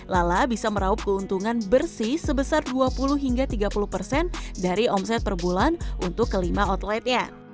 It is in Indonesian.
lala bisa meraup keuntungan bersih sebesar dua puluh hingga tiga puluh persen dari omset per bulan untuk kelima outletnya